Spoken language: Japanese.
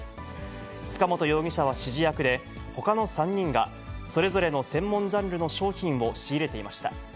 塚本容疑者は指示役で、ほかの３人がそれぞれの専門ジャンルの商品を仕入れていました。